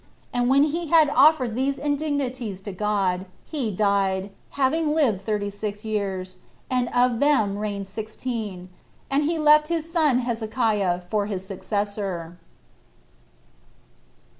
And when he had offered these indignities to God, he died, having lived thirty six years, and of them reigned sixteen; and he left his son Hezekiah for his successor.